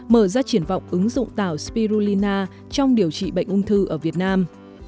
mở ra triển vọng ứng dụng tảo spirulina trong điều trị bệnh ung thư ở việt nam